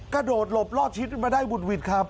ก็โดดหลบรอดชิดมาได้วุดวิดครับ